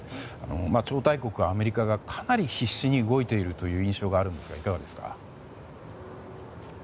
超大国アメリカがかなり必死に動いている印象があるんですがいかがですか？